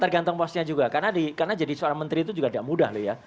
tergantung posnya juga karena jadi seorang menteri itu juga tidak mudah loh ya